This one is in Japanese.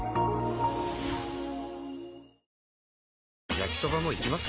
焼きソバもいきます？